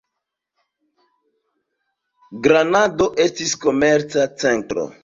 Granado estis komerca centro.